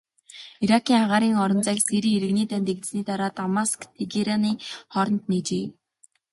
Иракийн агаарын орон зайг Сирийн иргэний дайн дэгдсэний дараа Дамаск-Тегераны хооронд нээжээ.